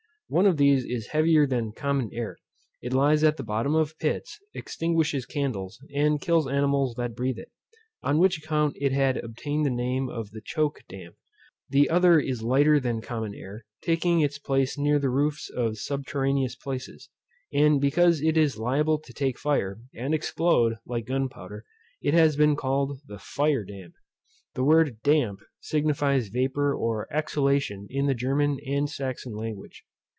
One of these is heavier than common air. It lies at the bottom of pits, extinguishes candles, and kills animals that breathe it, on which account it had obtained the name of the choke damp. The other is lighter than common air, taking its place near the roofs of subterraneous places, and because it is liable to take fire, and explode, like gunpowder, it had been called the fire damp. The word damp signifies vapour or exhalation in the German and Saxon language.